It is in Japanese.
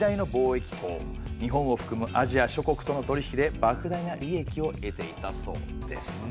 日本を含むアジア諸国との取り引きで莫大な利益を得ていたそうです。